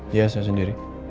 iya saya sendiri